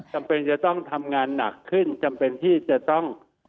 จำเป็นจะต้องทำงานหนักขึ้นจำเป็นที่จะต้อง